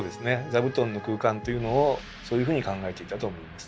座布団の空間というのをそういうふうに考えていたと思います。